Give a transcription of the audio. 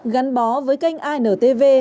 gắn bó với kênh antv